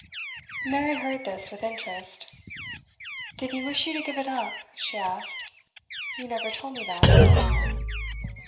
Mary heard this with interest. 'Did he wish you to give it up?' she asked. 'You never told me that.